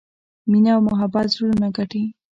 مینه او محبت زړونه ګټي.